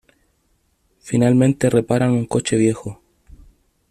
Finalmente reparan un coche viejo.